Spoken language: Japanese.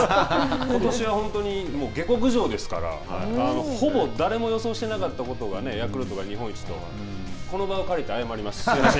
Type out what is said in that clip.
ことしは下克上ですからほぼ誰も予想してなかったことがヤクルトの日本一とこの場を借りて謝ります。